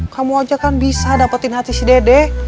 kamu aja kan bisa dapetin hati si dede